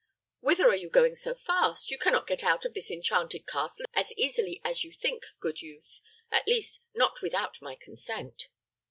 Whither are you going so fast? You can not get out of this enchanted castle as easily as you think, good youth; at least not without my consent."